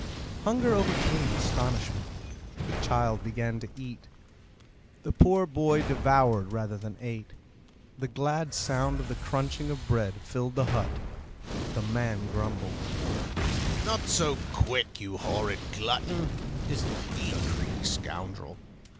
Hunger overcame astonishment. The child began to eat. The poor boy devoured rather than ate. The glad sound of the crunching of bread filed the hut. The man grumbled, "Not so quick, you horrid glutton! Isn't he a greedy scoundrel?